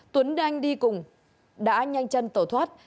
tuấn đanh đi cùng đã nhanh chân tẩu thoát